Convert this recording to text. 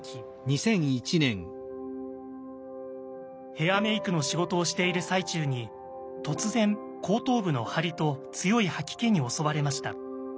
ヘアメイクの仕事をしている最中に突然後頭部の張りと強い吐き気に襲われました。